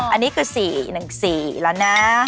อันนี้คือ๔๑๔แล้วนะ